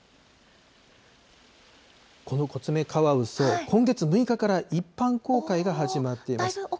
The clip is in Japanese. このコツメカワウソ、今月６日から一般公開が始まっています。